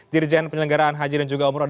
dirjen penyelenggaraan haji dan juga umroh